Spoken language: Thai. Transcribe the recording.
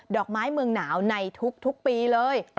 อกไม้เมืองหนาวในทุกปีเลย